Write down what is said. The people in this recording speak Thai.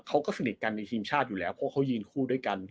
เขาก็สนิทกันในทีมชาติอยู่แล้วเพราะเขายืนคู่ด้วยกัน